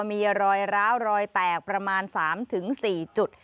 มีรอยร้าวรอยแตกประมาณ๓๔จุด